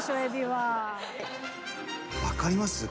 分かります？